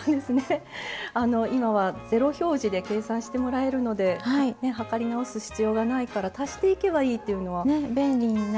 今は０表示で計算してもらえるので量りなおす必要がないから足していけばいいというのは。